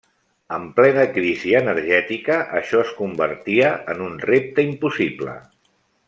En plena crisi energètica això es convertia en un repte impossible.